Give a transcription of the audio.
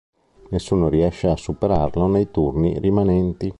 Nessuno riesce a superarlo nei turni rimanenti.